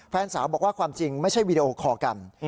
แฟนสาวบอกว่าความจริงไม่ใช่วีดีโอคอลกัน